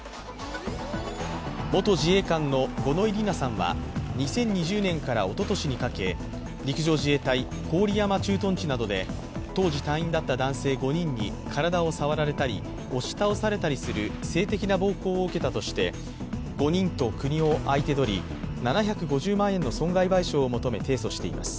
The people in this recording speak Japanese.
元自衛官の五ノ井里奈さんは２０２０年からおととしにかけ陸上自衛隊郡山駐屯地などで当時隊員だった男性５人に体を触られたり押し倒されたりする、性的な暴行を受けたとして５人と国を相手取り、７５０万円の損害賠償を求め、提訴しています。